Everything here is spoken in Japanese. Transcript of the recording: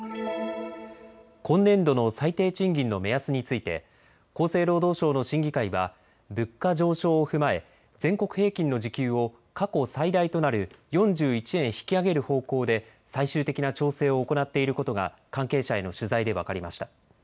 今年度の最低賃金の目安について厚生労働省の審議会は物価上昇を踏まえ全国平均の時給を過去最大となる４１円引き上げる方向で最終的な調整を行っていることが関係者への取材で分かりました。